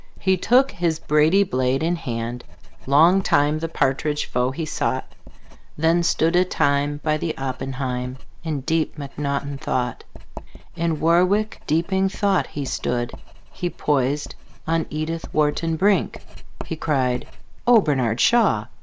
He took his brady blade in hand; Long time the partridge foe he sought. Then stood a time by the oppenheim In deep mcnaughton thought. In warwick deeping thought he stood He poised on edithwharton brink; He cried, "Ohbernardshaw!